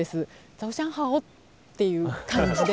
ザオシャンハオっていう感じで。